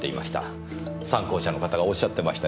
讃光社の方がおっしゃってましたよ。